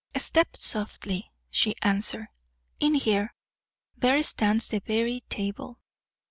"Step softly," she answered. "In here. There stands the very table."